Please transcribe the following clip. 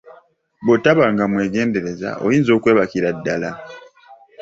Bw'otabanga mwegendereza oyinza okwebakira ddala.